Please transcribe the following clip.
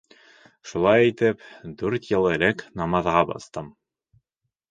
Шулай итеп, дүрт йыл элек намаҙға баҫтым.